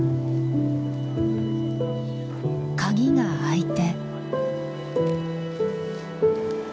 鍵があいて。